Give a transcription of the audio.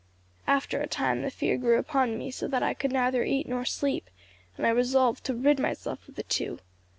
After a time the fear grew upon me so that I could neither eat nor sleep, and I resolved to rid myself of the two.